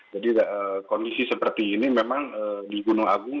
jadi kondisi seperti ini memang di gunung agung